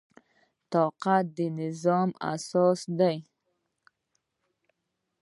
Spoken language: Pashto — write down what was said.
اطاعت د نظام اساس دی